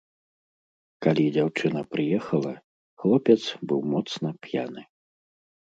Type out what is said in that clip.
Калі дзяўчына прыехала, хлопец быў моцна п'яны.